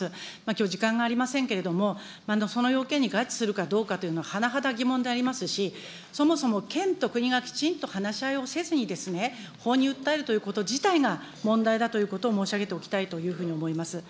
きょう、時間がありませんけれども、その要件に合致するかどうかというのは、はなはだ疑問でありますし、そもそも県と国がきちんと話をせずにですね、法に訴えるということ自体が、問題だということを申し上げておきたいというふうに思います。